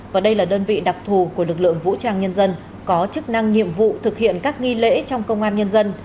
và đây là đơn vị đặc thù của lực lượng vũ trang nhân dân có chức năng nhiệm vụ thực hiện các nghi lễ trong công an nhân dân